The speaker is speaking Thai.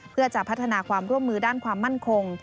เพื่อจะพัฒนาความร่วมมือด้านความมั่นคง